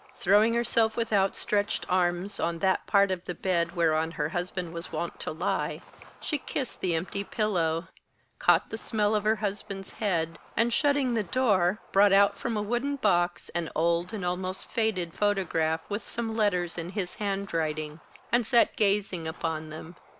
Throwing herself with outstretched arms on that part of the bed whereon her husband was wont to lie, she kissed the empty pillow, caught the smell of her husband's head, and, shutting the door, brought out from a wooden box an old and almost faded photograph with some letters in his handwriting, and sat gazing upon them.